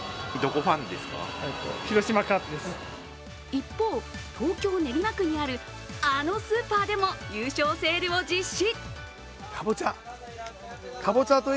一方、東京・練馬区にあるあのスーパーでも優勝セールを実施。